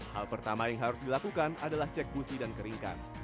hal pertama yang harus dilakukan adalah cek busi dan keringkan